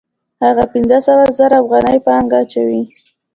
هغه پنځه سوه زره افغانۍ پانګه اچوي